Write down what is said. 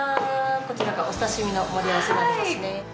こちらがお刺身の盛り合わせになりますね。